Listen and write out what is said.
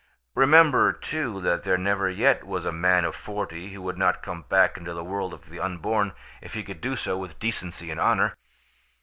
"Remember, too, that there never yet was a man of forty who would not come back into the world of the unborn if he could do so with decency and honour.